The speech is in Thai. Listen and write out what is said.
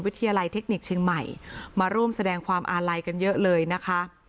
วิทยาลัยเทคนิคเชียงใหม่มาร่วมแสดงความอาลัยกันเยอะเลยนะคะ